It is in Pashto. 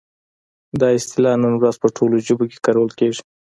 دا اصطلاح نن ورځ په ټولو ژبو کې کارول کیږي.